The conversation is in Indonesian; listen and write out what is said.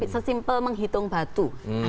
sesimpel menghitung batu